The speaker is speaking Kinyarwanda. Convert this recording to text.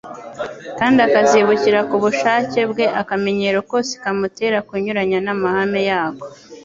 kandi akazibukira ku bushake bwe akamenyero kose kamutera kunyuranya n'amahame yako.